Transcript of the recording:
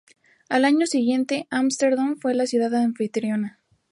Al año siguiente, Ámsterdam fue la ciudad anfitriona.